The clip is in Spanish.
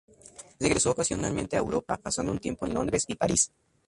Regresó ocasionalmente a Europa, pasando un tiempo en Londres y París.